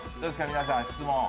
皆さん質問。